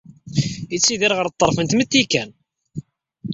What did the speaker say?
Yettidir ɣer ṭṭerf n tmetti kan.